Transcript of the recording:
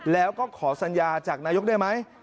แล้วก็ขอสัญญาจากนายกได้ไหม